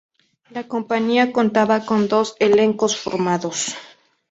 La Compañía contaba con dos elencos formados.